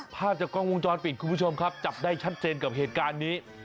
ภาพจากกล้องวงจรปิดคุณผู้ชมครับจับได้ชัดเจนกับเหตุการณ์นี้